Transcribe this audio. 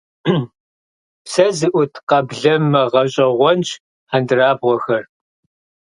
Псэ зыӀут къэблэмэ гъэщӏэгъуэнщ хьэндырабгъуэхэр.